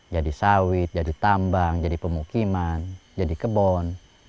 jadi sawit jadi tambang jadi pemukiman jadi kebun